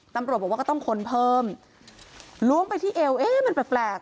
ตำรวจบอกว่าก็ต้องค้นเพิ่มล้วงไปที่เอวเอ๊ะมันแปลก